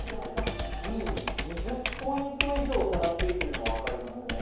２位に２０ポイント以上差がついているのが分かりますね。